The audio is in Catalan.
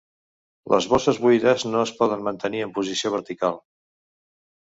Les bosses buides no es poden mantenir en posició vertical.